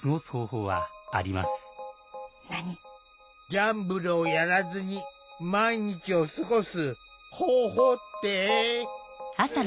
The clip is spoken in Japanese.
ギャンブルをやらずに毎日を過ごす方法って？